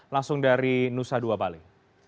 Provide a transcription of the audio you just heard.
langsung dari nusa dua bali